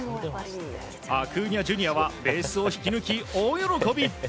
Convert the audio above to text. アクーニャＪｒ．はベースを引き抜き大喜び。